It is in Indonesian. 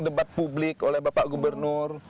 debat publik oleh bapak gubernur